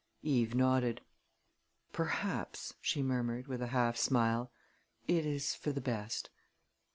Eve nodded. "Perhaps," she murmured, with a half smile, "it is for the best.